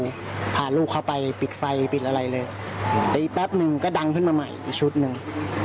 นี่พาลูกเข้าไปปิดไฟปิดอะไรเลยแต่อีกแป๊บหนึ่งก็ดังขึ้นมาใหม่อีกชุดหนึ่ง